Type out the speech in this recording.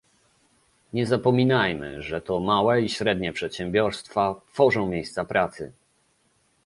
Nie zapominajmy, że to małe i średnie przedsiębiorstwa tworzą miejsca pracy